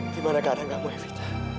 gimana keadaan kamu evita